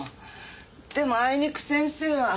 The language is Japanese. でもあいにく先生は。